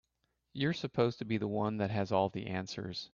You're supposed to be the one that has all the answers.